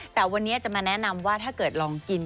แต่วันนี้จะมาแนะนำว่าถ้าเกิดลองกิน